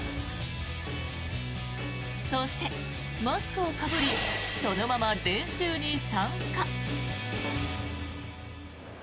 そして、マスクをかぶりそのまま練習に参加。